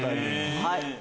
はい。